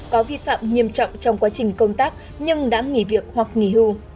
có vi phạm nghiêm trọng trong quá trình công tác nhưng đã nghỉ việc hoặc nghỉ hưu